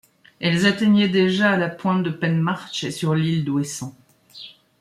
Elles atteignaient déjà à la pointe de Penmarch et sur l'île d'Ouessant.